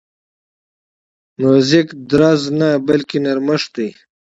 موزیک درز نه، بلکې نرمښت دی.